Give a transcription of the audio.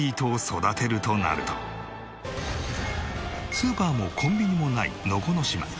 スーパーもコンビニもない能古島。